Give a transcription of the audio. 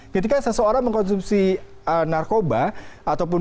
ketika seseorang mengkonsumsi narkotik